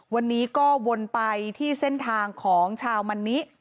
วันนี้ก็วนไปที่เส้นทางของชาวมันนิ